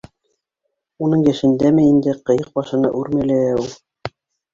Уның йәшендәме инде ҡыйыҡ башына үрмәләү!